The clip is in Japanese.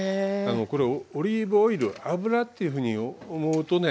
これオリーブオイル油っていうふうに思うとね